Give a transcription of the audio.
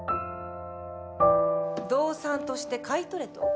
動産として買い取れと？